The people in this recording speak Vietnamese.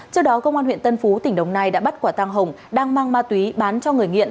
trước đó công an huyện tân phú tỉnh đồng nai đã bắt quả tăng hồng đang mang ma túy bán cho người nghiện